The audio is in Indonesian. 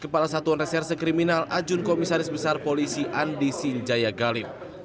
kepala satuan reserse kriminal ajun komisaris besar polisi andi sinjaya galim